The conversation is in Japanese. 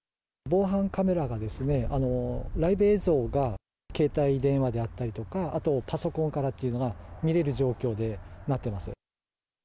防犯カメラがですね、ライブ映像が、携帯電話であったりとか、あとパソコンからっていうのが見れる状況でなってます。